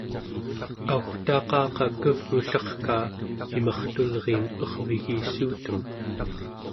au͡gtaqaqa kevgullerkaa imartulriim ervigissuutem